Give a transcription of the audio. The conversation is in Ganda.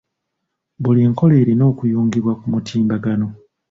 Buli nkola erina okuyungibwa ku mutimbagano.